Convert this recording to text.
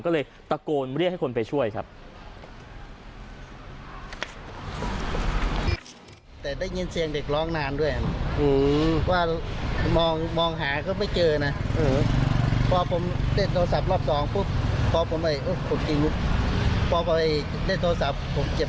ก็เลยตะโกนเรียกให้คนไปช่วยครับ